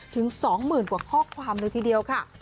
ถึง๒หมื่นกว่าข้อความหนึ่งทีเดียวค่ะ